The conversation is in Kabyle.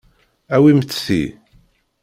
Awimt ti.